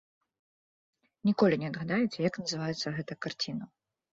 Ніколі не адгадаеце, як называецца гэта карціна.